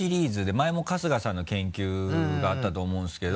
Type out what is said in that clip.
前も春日さんの研究があったと思うんですけど。